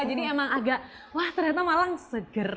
jadi emang agak wah ternyata malang seger